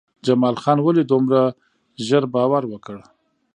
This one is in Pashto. جمال خان ولې دومره زر باور وکړ؟